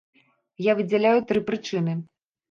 Я выдзяляю тры прычыны.